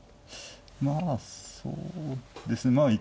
まあそうですね。